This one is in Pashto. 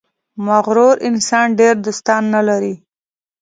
• مغرور انسان ډېر دوستان نه لري.